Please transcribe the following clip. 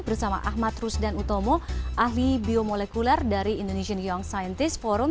bersama ahmad rusdan utomo ahli biomolekuler dari indonesian young scientist forum